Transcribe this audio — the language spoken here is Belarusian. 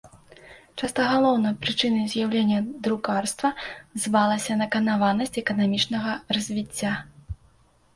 Часта галоўнай прычынай з'яўлення друкарства звалася наканаванасць эканамічнага развіцця.